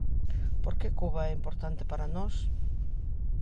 Por que Cuba é importante para nós?